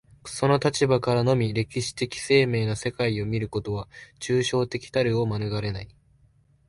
その立場からのみ歴史的生命の世界を見ることは、抽象的たるを免れない。